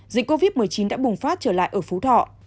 dịch covid một mươi chín đã bùng phát trở lại ở phú thọ